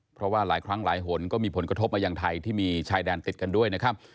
เพราะว่าหลายครั้งหลายหนก็มีผลกระทบมายังไทยที่มีชายแดนติดกันด้วยนะครับ